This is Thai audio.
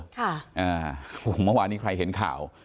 ค่ะอ่าโหมะวานนี้ใครเห็นข่าว